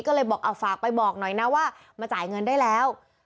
ก็เลยบอกฝากไปบอกหน่อยนะว่ามาจ่ายเงินได้แล้ว